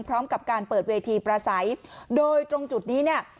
พร้อมกับการเปิดเวทีประสัยโดยตรงจุดนี้เนี่ย